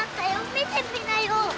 見てみなよ！